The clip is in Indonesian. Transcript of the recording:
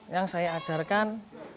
yang saya ajarkan